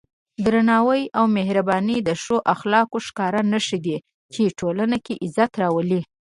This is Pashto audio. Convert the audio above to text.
درناوی او مهرباني د ښو اخلاقو ښکاره نښې دي چې ټولنه کې عزت راولي.